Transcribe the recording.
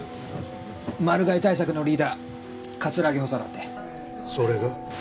マル害対策のリーダー葛城補佐だってそれが？